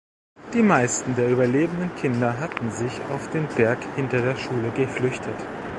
Die meisten der überlebenden Kinder hatten sich auf den Berg hinter der Schule geflüchtet.